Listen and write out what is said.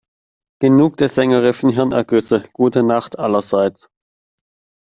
Genug der sängerischen Hirnergüsse - gute Nacht, allerseits.